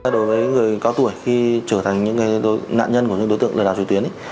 đối với người cao tuổi khi trở thành những nạn nhân của những đối tượng lừa đảo truyền tuyến